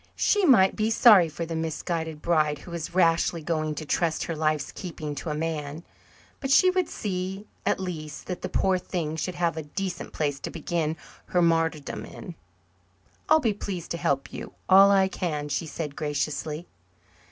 She might be sorry for the misguided bride who was rashly going to trust her life's keeping to a man, but she would see, at least, that the poor thing should have a decent place to begin her martyrdom in. "I'll be pleased to help you all I can," she said graciously.